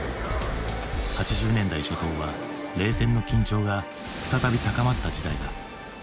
８０年代初頭は冷戦の緊張が再び高まった時代だ。